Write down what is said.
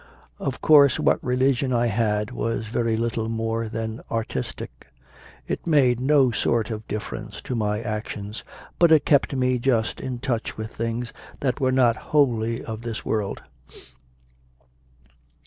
Of course what religion I had was very little more than artistic; it made no sort of difference to my actions, but it kept me just in touch with things that were not wholly of this world.